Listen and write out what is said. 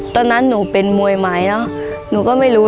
ตอนนั้นหนูเป็นมวยไหมเนอะหนูก็ไม่รู้